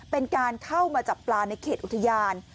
เป็นการเข้ามาจับปลาในเขตอุทยาน